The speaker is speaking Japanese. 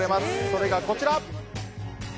それがこちら！